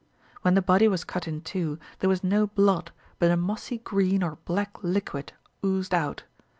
When the body was cut in two, there was no blood, but a mossy green or black liquid oozed out.